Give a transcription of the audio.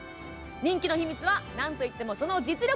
人気の秘密はなんといってもその実力。